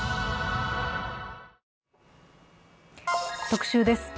特集です。